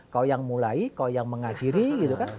kau yang mulai kau yang mengakhiri gitu kan